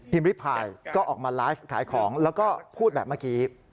ริพายก็ออกมาไลฟ์ขายของแล้วก็พูดแบบเมื่อกี้